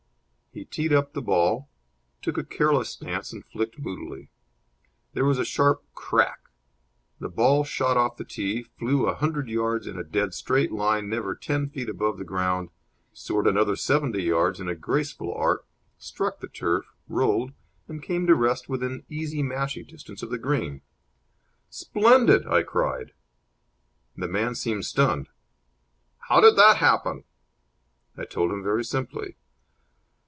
He teed up the ball, took a careless stance, and flicked moodily. There was a sharp crack, the ball shot off the tee, flew a hundred yards in a dead straight line never ten feet above the ground, soared another seventy yards in a graceful arc, struck the turf, rolled, and came to rest within easy mashie distance of the green. "Splendid!" I cried. The man seemed stunned. "How did that happen?" I told him very simply.